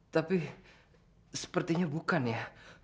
tapi sepertinya bukan ya